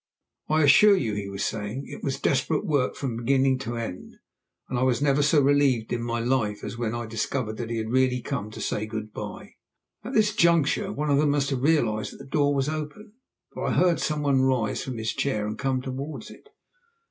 _ "I assure you," he was saying, "it was desperate work from beginning to end, and I was never so relieved in my life as when I discovered that he had really come to say good bye." At this juncture one of them must have realized that the door was open, for I heard some one rise from his chair and come towards it.